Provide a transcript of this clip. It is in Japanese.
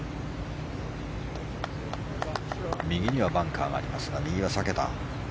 右にはバンカーがありますが右は避けた。